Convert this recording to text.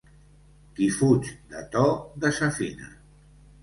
Qui fuig de to, desafina.